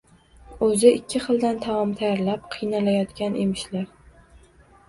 Oʻzi ikki xildan taom tayyorlab, qiynalayotgan emishlar